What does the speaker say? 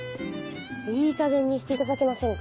いいかげんにしていただけませんか。